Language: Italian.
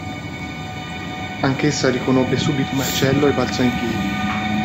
Anch'essa riconobbe subito Marcello e balzò in piedi.